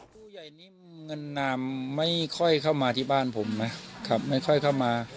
ผู้ใหญ่นิ่มเงินนามไม่ค่อยเข้ามาที่บ้านผมนะครับไม่ค่อยเข้ามา